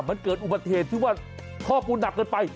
มันเกิดอุบัติเหตุที่ว่าท่อปูหนักเกินไป